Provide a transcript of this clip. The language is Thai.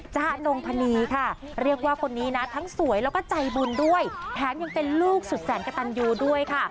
นงพนีค่ะเรียกว่าคนนี้นะทั้งสวยแล้วก็ใจบุญด้วยแถมยังเป็นลูกสุดแสนกระตันยูด้วยค่ะ